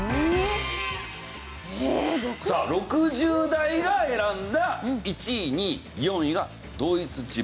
さあ６０代が選んだ１位２位４位が同一人物。